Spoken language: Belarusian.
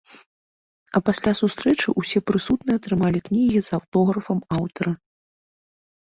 А пасля сустрэчы ўсе прысутныя атрымалі кнігі з аўтографам аўтара.